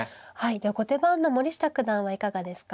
では後手番の森下九段はいかがですか。